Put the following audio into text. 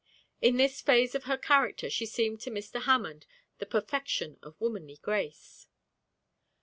In this phase of her character she seemed to Mr. Hammond the perfection of womanly grace.